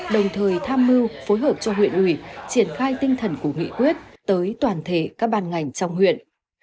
đồng thời tham mưu phối hợp cho huyện ủy triển khai tinh thần của nghị quyết tới toàn thể các ban ngành trong huyện